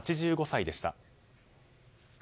８５歳でした。